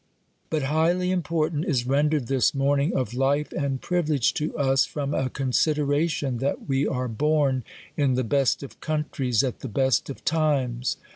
But highly important is rendered this morning of life and privilege to us, from a consideration, that we are born in the best of countries, at the best of times.